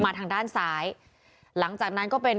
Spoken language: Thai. ทางด้านซ้ายหลังจากนั้นก็เป็น